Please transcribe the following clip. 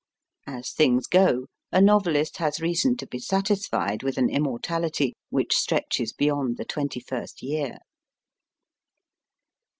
As things go, a novelist has reason to be satisfied with an immortality which stretches beyond the twenty first year.